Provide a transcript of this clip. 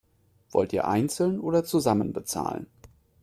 Wollt ihr einzeln oder zusammen bezahlen?